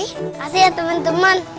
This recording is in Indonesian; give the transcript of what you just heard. makasih ya temen temen